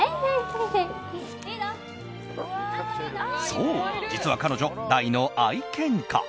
そう、実は彼女大の愛犬家。